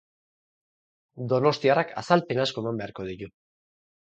Donostiarrak azalpen asko eman beharko ditu.